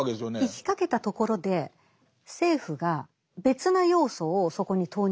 行きかけたところで政府が別な要素をそこに投入した。